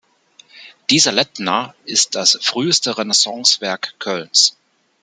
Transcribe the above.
Dieser Lettner ist das früheste Renaissance-Werk Kölns.